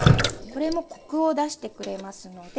これもコクを出してくれますので。